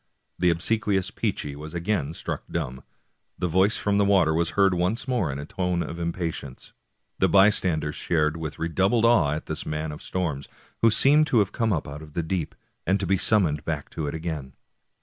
The obsequious Peechy was again struck dumb. The voice from the water was heard once more in a tone of im patience ; the bystanders stared with redoubled awe at this man of storms, who seemed to have come up out of the deep, and to be summoned back to it again.